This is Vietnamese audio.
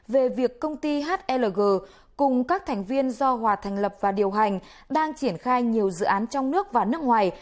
về việc công ty hlg cùng các thành viên do hòa thành lập và điều hành đang triển khai nhiều dự án trong nước và nước ngoài